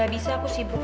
gak bisa aku sibuk